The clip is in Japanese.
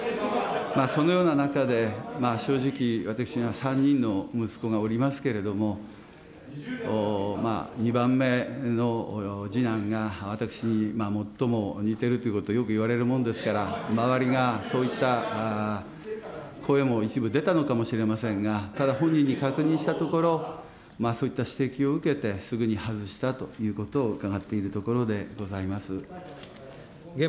そのような中で、正直、私には３人の息子がおりますけれども、２番目の次男が私に最も似てるということをよくいわれるものですから、周りがそういった声も一部出たのかもしれませんが、ただ、本人に確認したところ、そういった指摘を受けて、すぐに外したということを伺っているところでございます。